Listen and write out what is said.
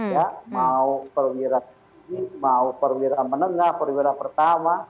ya mau perwira tinggi mau perwira menengah perwira pertama